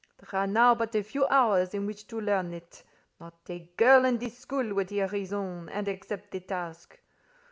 There are now but a few hours in which to learn it: not a girl in this school would hear reason, and accept the task.